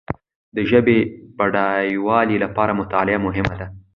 د ژبي بډایوالي لپاره مطالعه مهمه ده.